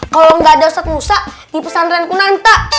kalo gak ada ustadz musa dipesantren kunanta